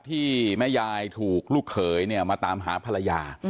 ที่แม่ยายถูกลูกเขยเนี่ยมาตามหาภรรยา